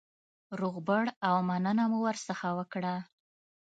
روغبړ او مننه مو ورڅخه وکړه.